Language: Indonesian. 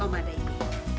oma ada ini